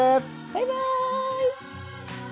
バイバーイ！